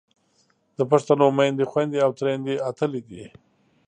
د پښتنو میندې، خویندې او تریندې اتلې دي.